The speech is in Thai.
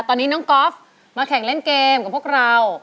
ตอนนี้น้องก๊อฟมาแข่งเล่นเกมกับพวกเรา